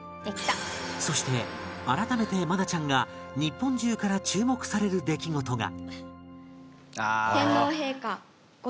そして改めて愛菜ちゃんが日本中から注目される出来事が